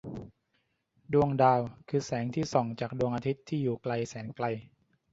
ดวงดาวคือแสงที่ส่องจากดวงอาทิตย์ที่อยู่ไกลแสนไกล